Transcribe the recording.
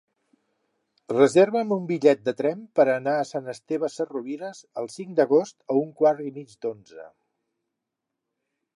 Reserva'm un bitllet de tren per anar a Sant Esteve Sesrovires el cinc d'agost a un quart i mig d'onze.